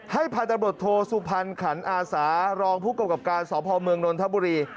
ให้พัฒนบทโทสุภัณฑ์ขันอาสารองผู้กรกับการสอบบ่อเมืองนทบุรี